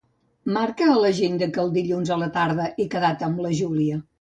Marca a l'agenda que el dilluns a la tarda he quedat amb la Júlia.